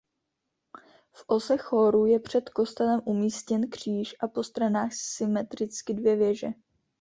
V ose chóru je před kostelem umístěn kříž a po stranách symetricky dvě věže.